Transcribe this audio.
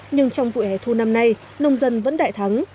nhưng trong vụ hẻ thu năm nay nông dân vẫn đại thắng